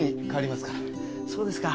そうですか。